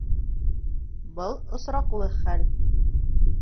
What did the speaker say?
Был осраҡлы хәл!